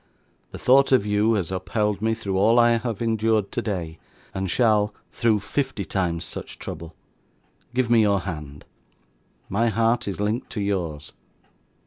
The thought of you has upheld me through all I have endured today, and shall, through fifty times such trouble. Give me your hand. My heart is linked to yours.